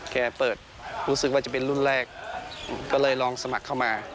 แกเปิดรู้สึกว่าจะเป็นรุ่นแรกก็เลยลองสมัครเข้ามา